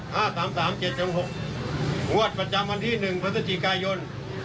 หวัดประจำวันที่๑พฤศจิกายน๒๕๖๐